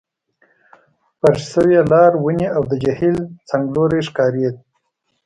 فرش شوي لار، ونې، او د جهیل څنګلوری ښکارېد.